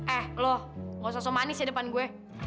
eh loh gak usah so manis ya depan gue